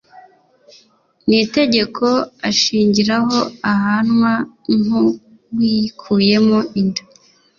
n’itegeko ashingiraho ahanwa nk’uwikuyemo inda.